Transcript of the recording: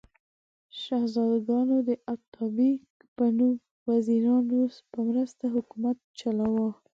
شهزادګانو د اتابک په نوم وزیرانو په مرسته حکومت چلاوه.